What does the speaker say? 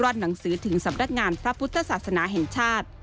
หนังสือถึงสำนักงานพระพุทธศาสนาแห่งชาติ